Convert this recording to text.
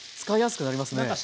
使いやすくなりますね。